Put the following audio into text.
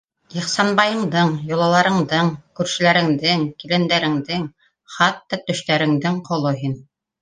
Ихсанбайыңдың, йолаларыңдың, күршеләреңдең, килендәреңдең... хатта төштәреңдең ҡоло һин...